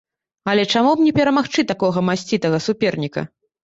Але чаму б не перамагчы такога масцітага суперніка!